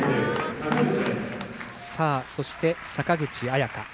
そして坂口彩夏。